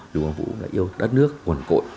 đúng ông vũ đã yêu đất nước cuồn cội